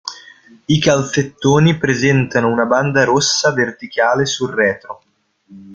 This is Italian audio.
I calzettoni presentano una banda rossa verticale sul retro.